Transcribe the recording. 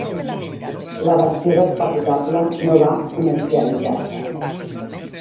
La versió descapotable no va comercialitzar-se.